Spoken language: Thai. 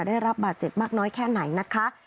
ได้รับบาดเจ็บมากน้อยแค่ไหนนะคะ